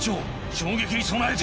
・衝撃に備えて！